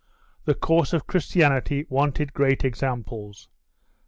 The course of Christianity wanted great examples.